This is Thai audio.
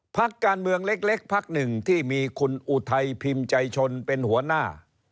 พักการเมืองเล็กพักหนึ่งที่มีคุณอุทัยพิมพ์ใจชนเป็นหัวหน้า